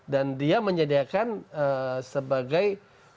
dan dia menyediakan sebagai